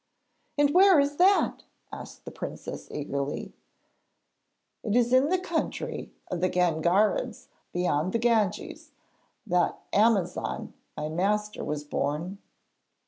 'And where is that?' asked the Princess eagerly. 'It is in the country of the Gangarids beyond the Ganges that Amazan my master was born.